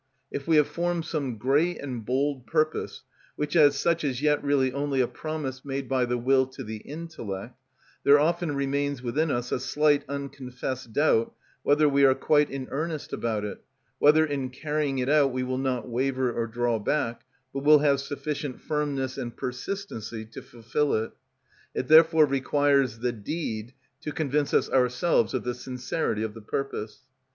If we have formed some great and bold purpose, which as such is yet really only a promise made by the will to the intellect, there often remains within us a slight unconfessed doubt whether we are quite in earnest about it, whether in carrying it out we will not waver or draw back, but will have sufficient firmness and persistency to fulfil it. It therefore requires the deed to convince us ourselves of the sincerity of the purpose.